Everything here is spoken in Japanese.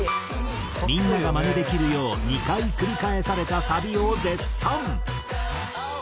みんながマネできるよう２回繰り返されたサビを絶賛。